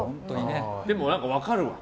でも、何か分かるわ。